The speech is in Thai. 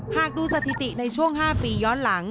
หากดูสถิติในช่วง๕ปีย้อนหลัง